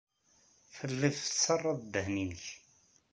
Telliḍ tettarraḍ ddehn-nnek.